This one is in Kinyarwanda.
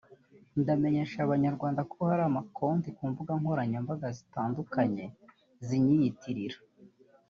"Ndamenyesha Abanyarwanda ko hari ama konti ku mbuga nkoranyambaga zitandukanye zinyiyitirira